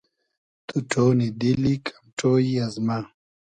تو ݖۉنی دیلی کئم ݖۉیی از مۂ